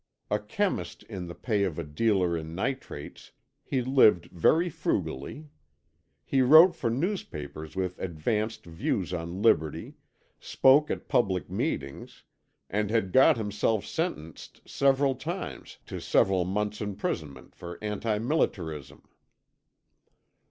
A chemist in the pay of a dealer in nitrates, he lived very frugally. He wrote for newspapers with advanced views on liberty, spoke at public meetings, and had got himself sentenced several times to several months' imprisonment for anti militarism.